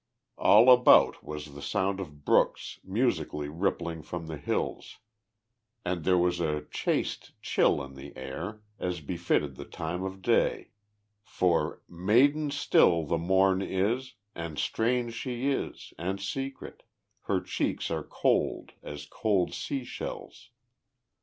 All about was the sound of brooks musically rippling from the hills, and there was a chaste chill in the air, as befitted the time of day, for Maiden still the morn is, and strange she is, and secret, Her cheeks are cold as cold sea shells.